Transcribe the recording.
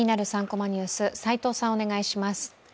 ３コマニュース」、齋藤さん、お願いします。